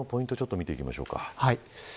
見ていきましょうか。